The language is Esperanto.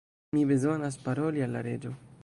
Mi bezonas paroli al la Reĝo!